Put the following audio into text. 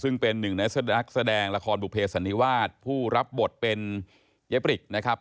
ซึ่งเป็นหนึ่งในนักแสดงละครบุเภสันนิวาสผู้รับบทเป็นเย้ปริกนะครับ